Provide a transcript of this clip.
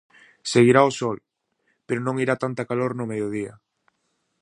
Seguirá o sol, pero non irá tanta calor no mediodía.